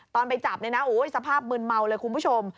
ไปจับเนี่ยนะสภาพมืนเมาเลยคุณผู้ชม